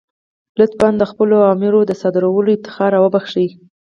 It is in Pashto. لطفا د خپلو اوامرو د صادرولو افتخار را وبخښئ.